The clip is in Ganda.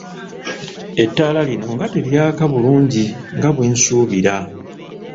Ettala lino nga teryaka bulungi nga bwe nsuubira.